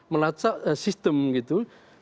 melacak sistem gitu